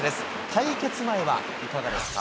対決前はいかがですか。